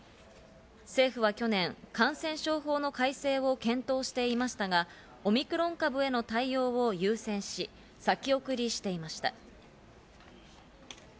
政府は去年、感染症法の改正を検討していましたが、オミクロン株への対応を優先し、先送りしていました。